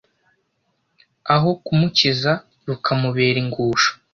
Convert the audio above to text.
aho kumukiza rukamubera ingusho,